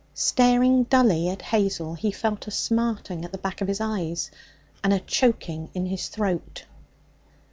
Staring dully at Hazel, he felt a smarting at the back of his eyes and a choking in his throat.